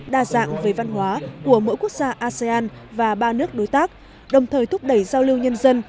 đa dạng về văn hóa của mỗi quốc gia asean và ba nước đối tác đồng thời thúc đẩy giao lưu nhân dân